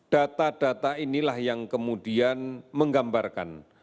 data data inilah yang kemudian menggambarkan